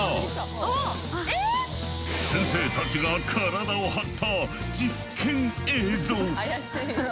先生たちが体を張った実験映像。